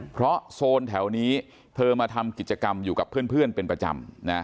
เพราะโซนแถวนี้เธอมาทำกิจกรรมอยู่กับเพื่อนเป็นประจำ